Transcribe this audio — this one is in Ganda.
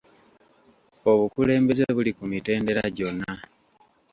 Obukulembeze buli ku mitendera gyonna.